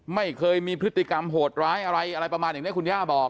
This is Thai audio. ไม่เคยมีพฤติกรรมโหดร้ายอะไรอะไรประมาณอย่างนี้คุณย่าบอก